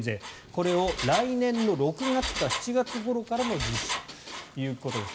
これを来年の６月か７月ごろから実施ということです。